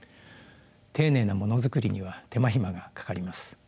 丁寧なものづくりには手間暇がかかります。